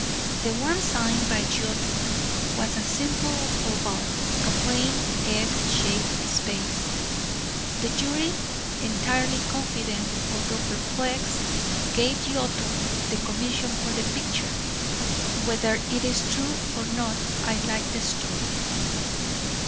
The one signed by Giotto was a simple oval, a plain, egg shaped space. The jury entirely confident, although perplexed, gave Giotto the commission for the picture. Whether it is true or not, I like the story.